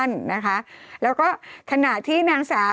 จำกัดจำนวนได้ไม่เกิน๕๐๐คนนะคะ